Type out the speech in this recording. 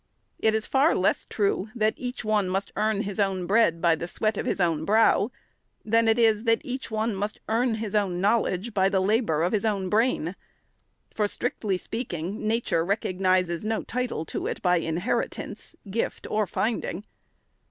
It is far less true, that each one must earn his own bread by the sweat of his own brow, than it is that each one must earn his own knowledge by the labor of his own brain ; for, strictly speaking, nature recognizes no title to it by inher itance, gift or finding.